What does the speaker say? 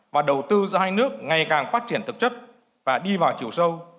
và đầu tư giữa hai nước ngày càng phát triển thực chất và đi vào chiều sâu